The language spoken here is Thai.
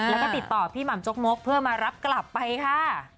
แล้วก็ติดต่อพี่หม่ำจกมกเพื่อมารับกลับไปค่ะ